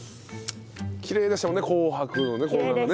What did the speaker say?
きれいでしたもんね紅白のね。